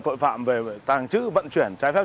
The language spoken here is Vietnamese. tội phạm về tàng trữ vận chuyển trái phép